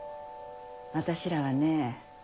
私らはね